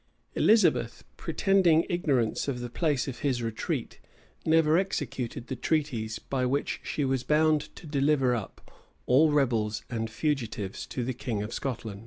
Elizabeth, pretending ignorance of the place of his retreat, never executed the treaties, by which she was bound to deliver up all rebels and fugitives to the king of Scotland.